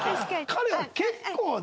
彼は結構何？